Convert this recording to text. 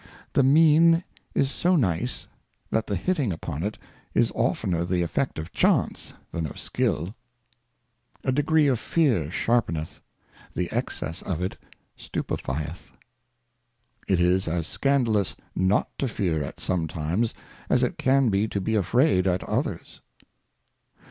The Mean is so nice, that the hitting upon it is oftner the Effect of Chance than of Skill. A Degree of Fear sharpeneth, the Excess of it stupifieth. It is as scandalous not to fear at some times, as it can be to be afraid at others.